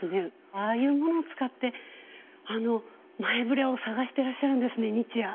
ああいうものを使って前ぶれを探してらっしゃるんですね日夜。